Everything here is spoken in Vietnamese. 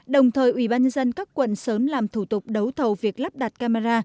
đồng thời ubnd các quận sớm làm thủ tục đấu thầu việc lắp đặt camera